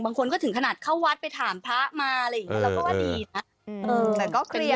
บางคนถึงขนาดเข้าวัดไปถามพระมาเราก็เลยดีนะ